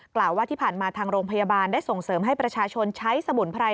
กล่าวว่าที่ผ่านมาทางโรงพยาบาลได้ส่งเสริมให้ประชาชนใช้สมุนไพร